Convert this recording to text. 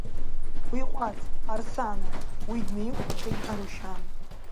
Уиҟәаҵ, Арсана, уи днаиқәцәҟьеит Арушьан.